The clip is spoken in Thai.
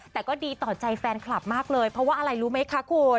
แต่ก็ดีต่อใจแฟนคลับมากเลยเพราะว่าอะไรรู้ไหมคะคุณ